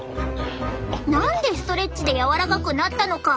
何でストレッチで柔らかくなったのか。